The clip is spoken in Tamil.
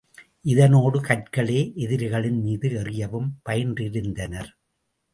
இதனோடு கற்களே எதிரிகளின் மீது எறியவும் பயின்றிருந்தனர்.